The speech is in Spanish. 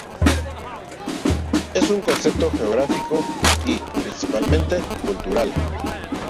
Es un concepto geográfico y, principalmente, cultural.